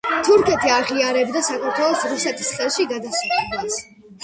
თურქეთი აღიარებდა საქართველოს რუსეთის ხელში გადასვლას.